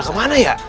ada kemana ya